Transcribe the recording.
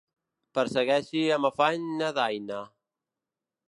Persegueixi amb afany na Diana.